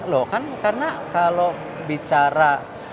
loh kan karena kalau bicara